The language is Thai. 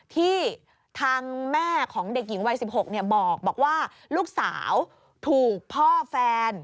ที่ทางแม่ของเด็กหญิงวัย๑๖บอกว่าลูกสาวถูกพ่อแฟน